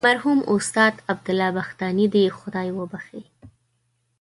مرحوم استاد عبدالله بختانی دې خدای وبخښي.